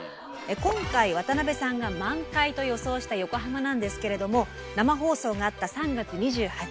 今回渡邊さんが満開と予想した横浜なんですけれども生放送があった３月２８日